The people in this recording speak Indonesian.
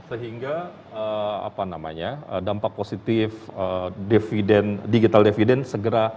sehingga dampak positif digital dividend segera